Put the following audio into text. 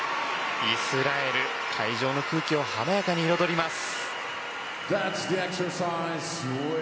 イスラエル、会場の空気を華やかに彩ります。